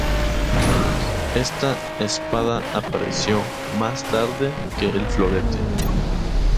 Esta espada apareció más tarde que el florete.